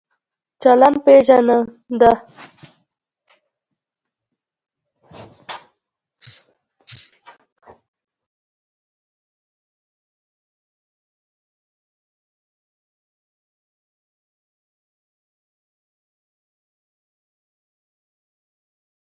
دوی د لوړو خوبونو او خيالونو خاوندان وو.